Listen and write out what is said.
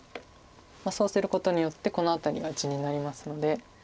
そうすることによってこの辺りが地になりますので。